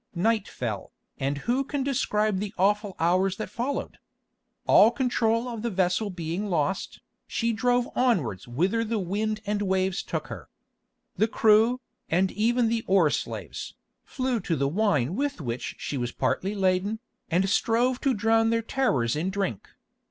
Night fell, and who can describe the awful hours that followed? All control of the vessel being lost, she drove onwards whither the wind and the waves took her. The crew, and even the oar slaves, flew to the wine with which she was partly laden, and strove to drown their terrors in drink.